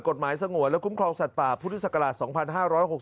สงวนและคุ้มครองสัตว์ป่าพุทธศักราช๒๕๖๒